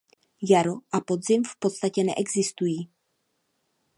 Jaro a podzim v podstatě neexistují.